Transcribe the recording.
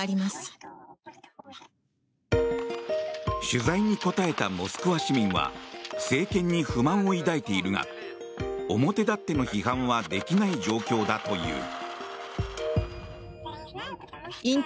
取材に答えたモスクワ市民は政権に不満を抱いているが表立っての批判はできない状況だという。